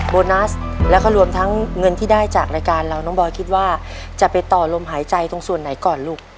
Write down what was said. โบนัสแล้วก็รวมทั้งเงินที่ได้จากรายการเราน้องบอยคิดว่าจะไปต่อลมหายใจตรงส่วนไหนก่อนลูก